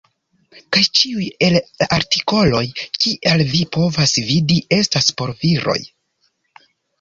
Kaj ĉiuj el la artikoloj, kiel vi povas vidi, estas por viroj.